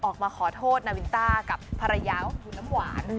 ออกมาขอโทษนาวินต้ากับภรรยาของคุณน้ำหวาน